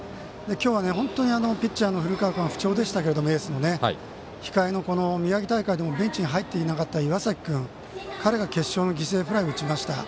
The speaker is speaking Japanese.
今日は本当に古川君が不調でしたけど控えの宮城大会でもベンチに入っていなかった岩崎君、彼が決勝の犠牲フライを打ちました。